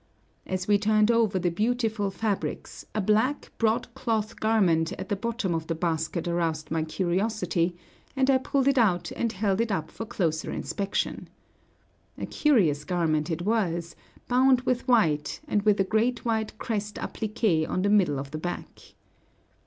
As we turned over the beautiful fabrics, a black broadcloth garment at the bottom of the basket aroused my curiosity, and I pulled it out and held it up for closer inspection. A curious garment it was, bound with white, and with a great white crest appliqué on the middle of the back.